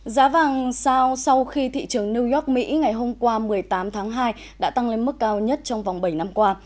giá vàng sao sau khi thị trường new york mỹ ngày hôm qua một mươi tám tháng hai đã tăng lên mức cao nhất trong vòng bảy năm qua